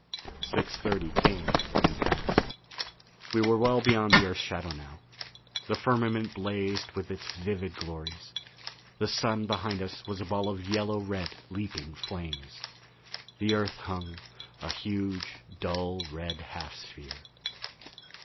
Six thirty came and passed. We were well beyond the Earth's shadow now. The firmament blazed with its vivid glories; the Sun behind us was a ball of yellow red leaping flames. The Earth hung, a huge, dull red half sphere.